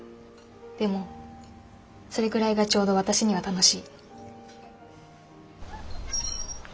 でもそれくらいがちょうど私には楽しい。